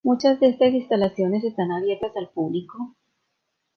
Muchas de estas instalaciones están abiertas al público.